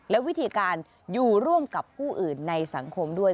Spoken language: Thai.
และวิธีการอยู่ร่วมกับผู้อื่นในสังคมด้วย